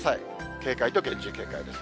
警戒と厳重警戒です。